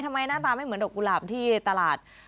หน้าตาไม่เหมือนดอกกุหลาบที่ตลาด